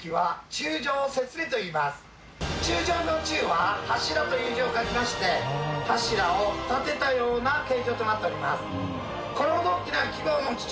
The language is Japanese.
柱状の「柱」は柱という字を書きまして柱を立てたような形状となっております。